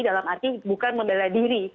dalam arti bukan membela diri